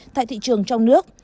tại thị trường trong nước